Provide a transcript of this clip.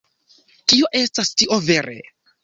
Kio estas tio, vere?